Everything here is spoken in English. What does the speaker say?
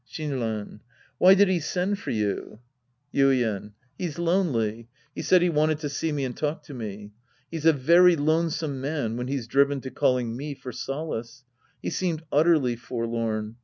Shinran. Why did he send for you ? Yuien. He's lonely. He said he wanted to see me and talk to me. He's a very lonesome man when he's driven to calling me for solace. He seemed utterly forlorn.